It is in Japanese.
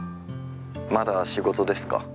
☎まだ仕事ですか？